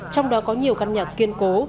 trong đó có nhiều căn nhà kiên cố